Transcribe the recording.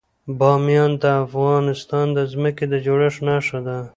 بامیان د افغانستان د ځمکې د جوړښت نښه ده.